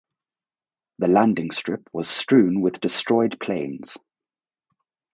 The landing strip was strewn with destroyed planes.